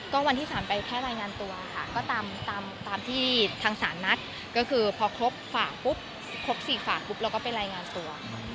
ก็วันที่๓ไปแค่รายงานตัวค่ะก็ตามที่ทางศาลนัดก็คือพอครบฝากปุ๊บครบ๔ฝากปุ๊บเราก็ไปรายงานตัว